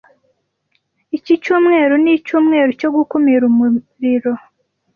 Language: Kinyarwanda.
Iki cyumweru nicyumweru cyo gukumira umuriro.